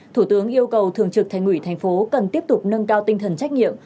thủ tướng yêu cầu thường trực thành ủy thành phố cần tiếp tục nâng cao tinh thần trách nhiệm